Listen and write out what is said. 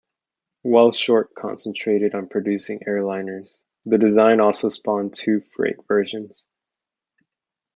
While Short concentrated on producing airliners, the design also spawned two freight versions.